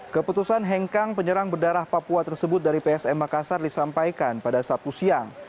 keputusan hengkang penyerang berdarah papua tersebut dari psm makassar disampaikan pada sabtu siang